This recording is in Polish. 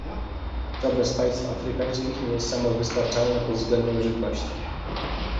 Żadne z państw afrykańskich nie jest samowystarczalne pod względem żywności